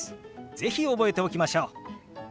是非覚えておきましょう。